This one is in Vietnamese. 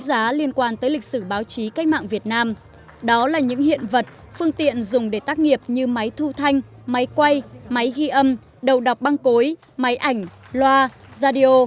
xin chào và hẹn gặp lại